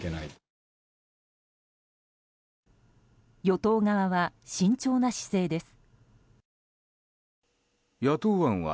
与党側は、慎重な姿勢です。